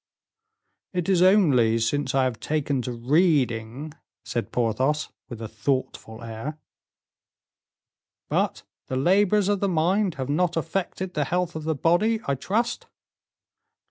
"It is only since I have taken to reading," said Porthos, with a thoughtful air. "But the labors of the mind have not affected the health of the body, I trust?"